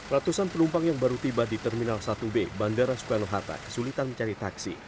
ratusan penumpang yang baru tiba di terminal satu b bandara soekarno hatta kesulitan mencari taksi